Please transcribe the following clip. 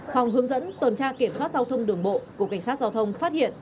phòng hướng dẫn tuần tra kiểm soát giao thông đường bộ cục cảnh sát giao thông phát hiện